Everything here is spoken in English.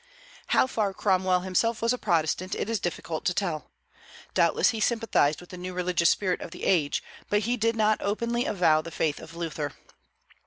How far Cromwell himself was a Protestant it is difficult to tell. Doubtless he sympathized with the new religious spirit of the age, but he did not openly avow the faith of Luther.